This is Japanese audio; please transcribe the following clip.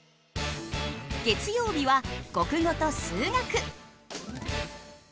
月曜日は国語と数学。